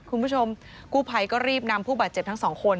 คุณผู้ชมกู้ภัยก็รีบนำผู้บาดเจ็บทั้งสองคน